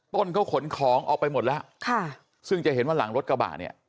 ต้นเขาขนของออกไปหมดแล้วค่ะซึ่งจะเห็นว่าหลังรถกระบะเนี่ย